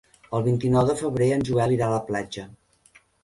El vint-i-nou de febrer en Joel irà a la platja.